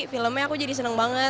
filmnya aku jadi senang banget